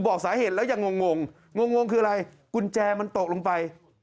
บอกสาเหตุแล้วยังงงงงงคืออะไรกุญแจมันตกลงไป